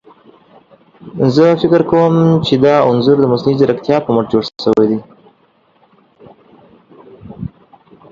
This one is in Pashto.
زه فکر کوم چي دا انځور ده مصنوعي ځيرکتيا په مټ جوړ شوي دي.